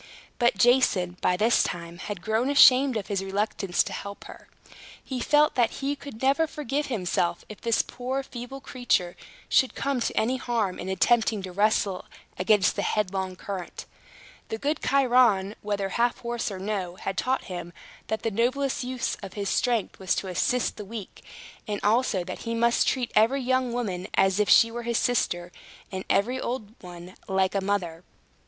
But Jason, by this time, had grown ashamed of his reluctance to help her. He felt that he could never forgive himself, if this poor feeble creature should come to any harm in attempting to wrestle against the headlong current. The good Chiron, whether half horse or no, had taught him that the noblest use of his strength was to assist the weak; and also that he must treat every young woman as if she were his sister, and every old one like a mother.